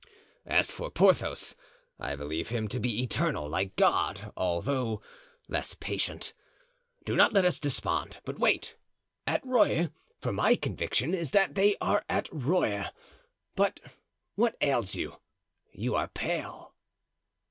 As for Porthos, I believe him to be eternal, like God, although less patient. Do not let us despond, but wait at Rueil, for my conviction is that they are at Rueil. But what ails you? You are pale."